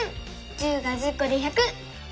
１０が１０こで１００！